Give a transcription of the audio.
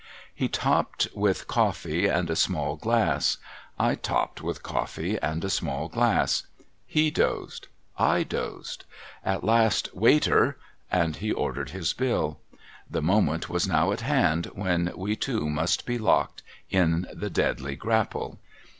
He topped with coffee and a small glass. I topped with coffee and a small glass. He dozed. I dozed. At last, ' Waiter !'— and he ordered his bill. The moment was now at hand when we two must be locked in the deadly grapple.